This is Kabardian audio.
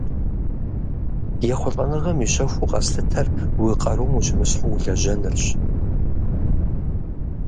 ЕхъулӀэныгъэм и щэхуу къэслъытэр уи къарум ущымысхьу улэжьэныращ.